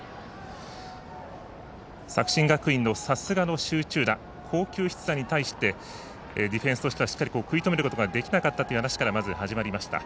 作新学院のさすがの集中打好球必打に対してディフェンスとしてはしっかり食い止めることができなかったという話から入りました。